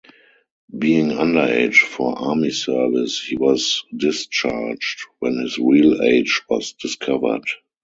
Being underage for army service, he was discharged when his real age was discovered.